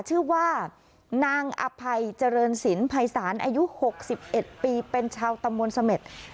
ชื่อว่านางอภัยเจริญศิลป์ภัยศาลอายุหกสิบเอ็ดปีเป็นชาวตำวนเสม็ด